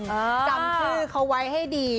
จำชื่อเขาไว้ให้ดี